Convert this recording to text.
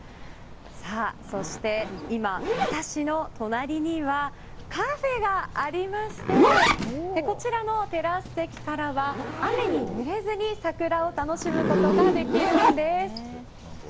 そして、今私の隣にはカフェがありましてこちらのテラス席からは雨にぬれずに桜を楽しむことができるんです。